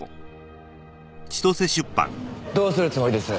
どうするつもりです？